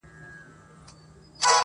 ځي تر قصابانو په مالدار اعتبار مه کوه!